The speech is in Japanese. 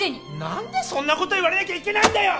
何でそんなこと言われなきゃいけないんだよ！